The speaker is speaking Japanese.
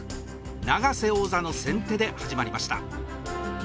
永瀬王座の先手で始まりました。